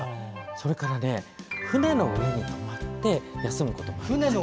それから船の上にとまって休むこともあるんです。